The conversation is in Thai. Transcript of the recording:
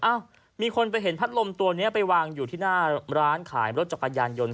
อ้าวมีคนไปเห็นพัดลมตัวนี้ไปวางอยู่ที่หน้าร้านขายรถจักรยานยนต์